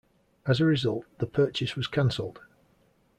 As a result, the purchase was cancelled.